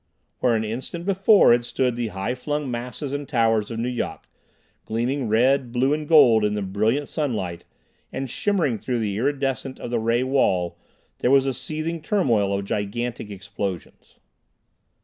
Where an instant before had stood the high flung masses and towers of Nu Yok, gleaming red, blue and gold in the brilliant sunlight, and shimmering through the iridescence of the ray "wall," there was a seething turmoil of gigantic explosions.